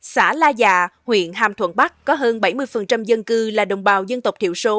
xã la già huyện hàm thuận bắc có hơn bảy mươi dân cư là đồng bào dân tộc thiểu số